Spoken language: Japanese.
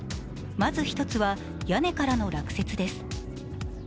まず１つは、屋根からの落雪です。